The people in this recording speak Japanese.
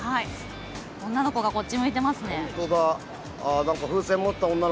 女の子がこっち向いていますね。